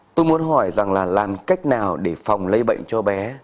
tôi muốn hỏi rằng là làm cách nào để phòng lây bệnh cho bé